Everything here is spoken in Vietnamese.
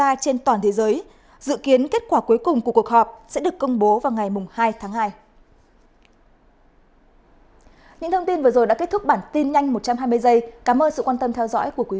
các bản tin đã diễn ra trên toàn thế giới dự kiến kết quả cuối cùng của cuộc họp sẽ được công bố vào ngày hai tháng hai